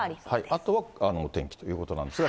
あとは天気ということなんですが。